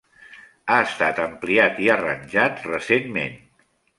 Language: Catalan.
Ha estat ampliat i arranjat recentment.